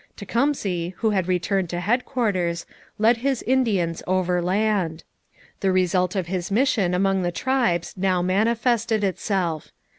Tecumseh, who had returned to headquarters, led his Indians overland. The result of his mission among the tribes now manifested itself.